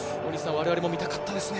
われわれも見たかったですね。